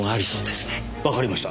わかりました。